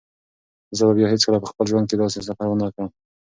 زه به بیا هیڅکله په خپل ژوند کې داسې سفر ونه کړم.